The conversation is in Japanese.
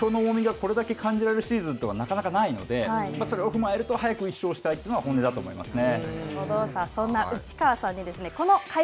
やはり１勝の重みがこれだけ感じられるシーズンはなかなかないので、それを踏まえると、早く１勝したいというのが、本音だと思いますね。